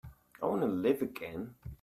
I want to live again.